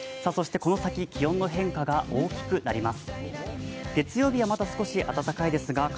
この先気温の変化が大きくなります。